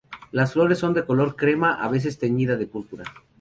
Las flores son de color crema, a veces teñida de púrpura.